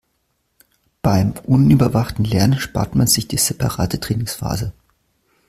Beim unüberwachten Lernen spart man sich die separate Trainingsphase.